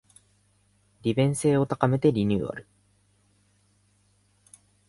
利便性を高めてリニューアル